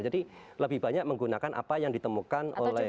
jadi lebih banyak menggunakan apa yang ditemukan oleh